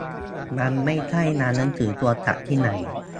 มันไม่ใช่งานหนังสือควรจัดที่ไหน